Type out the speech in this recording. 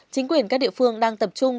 chính quyền các địa phương đang tập trung